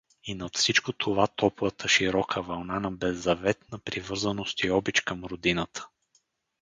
И над всичко това топлата, широка вълна на беззаветна привързаност и обич към родината.